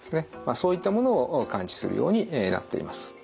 そういったものを感知するようになっています。